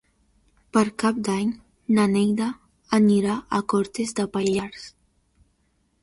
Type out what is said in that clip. Per Cap d'Any na Neida anirà a Cortes de Pallars.